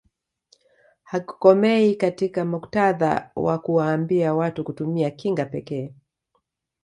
Hakukomei katika muktadha wa kuwaambia watu kutumia kinga pekee